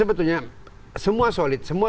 sebetulnya semua solid